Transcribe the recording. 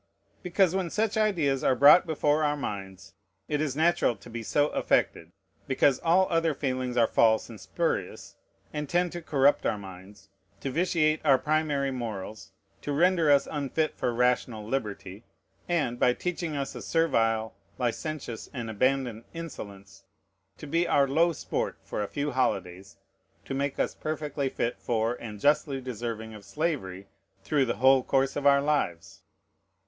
Because, when such ideas are brought before our minds, it is natural to be so affected; because all other feelings are false and spurious, and tend to corrupt our minds, to vitiate our primary morals, to render us unfit for rational liberty, and, by teaching us a servile, licentious, and abandoned insolence, to be our low sport for a few holidays, to make us perfectly fit for and justly deserving of slavery through the whole course of our lives.